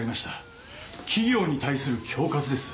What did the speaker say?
企業に対する恐喝です。